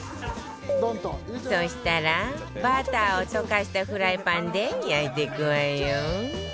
そしたらバターを溶かしたフライパンで焼いていくわよ